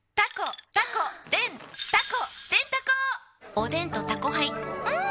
おでんと「タコハイ」ん！